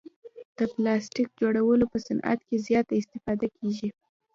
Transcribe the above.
د پلاستیک جوړولو په صعنت کې زیاته استفاده کیږي.